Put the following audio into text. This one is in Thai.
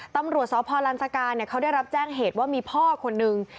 ตำรวจสพลันสกาเขาได้รับแจ้งเหตุว่ามีพ่อคนนึง